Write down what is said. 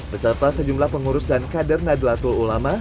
beserta sejumlah pengurus dan kader nadlatul ulama